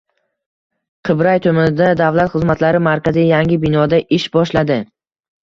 Qibray tumanida Davlat xizmatlari markazi yangi binoda ish boshladi